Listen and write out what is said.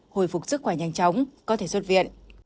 hồi phục sức khỏe nhanh chóng có thể xuất viện